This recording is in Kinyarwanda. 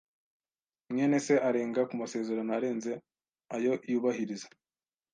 mwene se arenga ku masezerano arenze ayo yubahiriza.